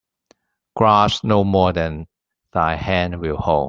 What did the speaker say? Grasp no more than thy hand will hold.